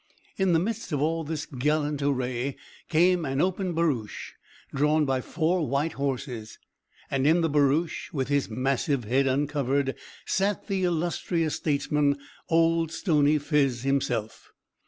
In the midst of all this gallant array, came an open barouche, drawn by four white horses; and in the barouche, with his massive head uncovered, sat the illustrious statesman, Old Stony Phiz himself.